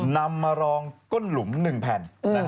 นำมารองก้นหลุมหนึ่งแผ่น